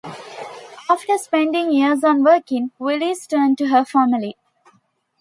After spending years on working, Willis turned to her family.